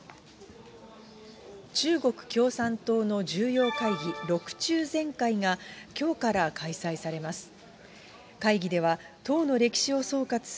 中国共産党の重要会議、６中全会がきょうから開催されます。